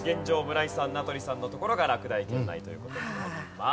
村井さん名取さんのところが落第圏内という事になります。